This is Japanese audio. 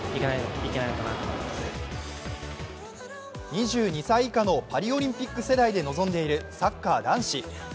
２２歳以下のパリオリンピック世代で臨んでいるサッカー男子。